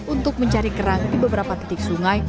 untuk mencari kerang di beberapa titik sungai